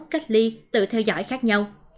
cách ly tự theo dõi khác nhau